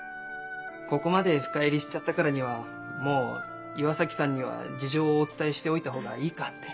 ここまで深入りしちゃったからにはもう岩崎さんには事情をお伝えしておいたほうがいいかって。